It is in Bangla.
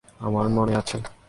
আমার মনে আছে!